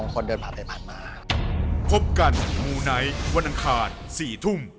พบกันมูไนท์วันอันคาร์ด๔ถุ่ม